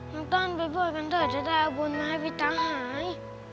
น้องต้อนไปบวชกันเถอะจะได้เอาบุญมาให้พี่ตาหาย